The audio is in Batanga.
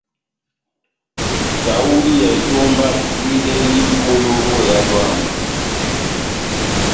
Tahuli ya etomba ediyedɛndi mʼpolo ó ehádo yamu.